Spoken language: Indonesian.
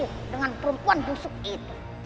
aku akan menipu dengan perempuan busuk itu